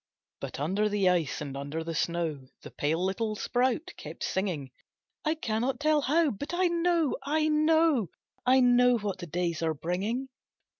But under the ice and under the snow The pale little sprout kept singing, "I cannot tell how, but I know, I know, I know what the days are bringing.